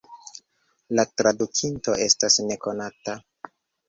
La tradukinto estas nekonata.